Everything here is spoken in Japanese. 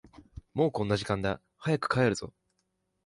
もうこんな時間だ、早く帰るぞ。